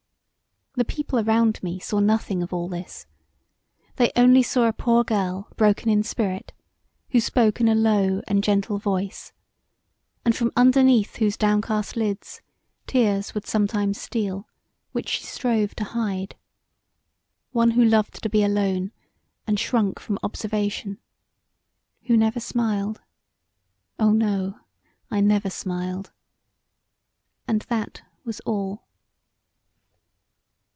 The people around me saw nothing of all this. They only saw a poor girl broken in spirit, who spoke in a low and gentle voice, and from underneath whose downcast lids tears would sometimes steal which she strove to hide. One who loved to be alone, and shrunk from observation; who never smiled; oh, no! I never smiled and that was all.